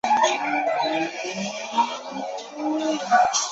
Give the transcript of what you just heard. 翻新期间亦进行了结构改善工程。